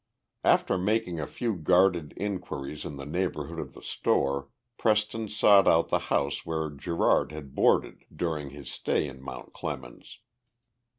After making a few guarded inquiries in the neighborhood of the store, Preston sought out the house where Gerard had boarded during his stay in Mount Clemens.